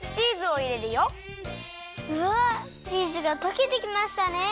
うわチーズがとけてきましたね！